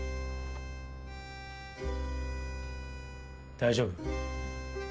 大丈夫？